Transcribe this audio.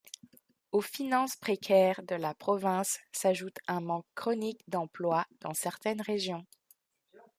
Aux finances précaires de la province s'ajoute un manque chronique d'emplois dans certaines régions.